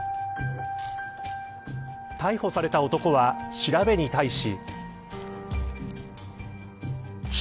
逮捕された男は、調べに対し。